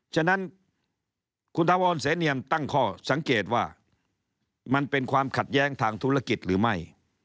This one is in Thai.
ฉะนั้นคุณถาวรเสนียมตั้งข้อสังเกตว่ามันเป็นความขัดแย้งทางธุรกิจหรือไม่